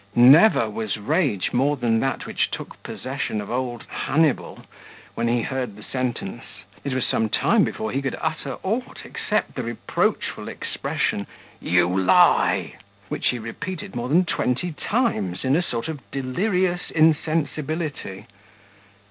Never was rage more than that which took possession of old Hannibal, when he heard the sentence: it was some time before he could utter aught, except the reproachful expression, "You lie!" which he repeated more than twenty times, in a sort of delirious insensibility.